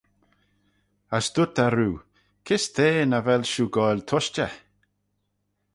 As dooyrt eh roo, Kys te nagh vel shiu goaill tushtey?